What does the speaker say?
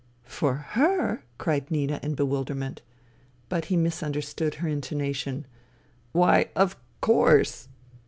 " For her !" cried Nina in bewilderment. But he misunderstood her intonation. " Why, of course